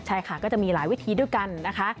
ใช่ค่ะก็จะมีหลายวิธีด้วยกันนะคะ